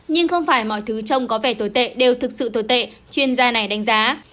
nhưng không phải mọi thứ trông có vẻ tồi tệ đều thực sự tồi tệ chuyên gia này đánh giá